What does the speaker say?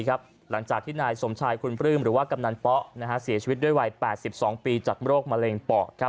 หลังจากที่นายสมชายคุณปลื้มหรือว่ากำนันป๊ะเสียชีวิตด้วยวัย๘๒ปีจากโรคมะเร็งปอด